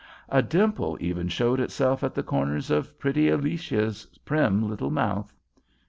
A dimple even showed itself at the corners of pretty Alicia's prim little mouth.